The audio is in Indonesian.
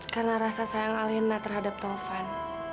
karena rasa sayang alena terhadap taufan